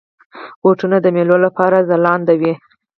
بوټونه د میلو لپاره ځلنده وي.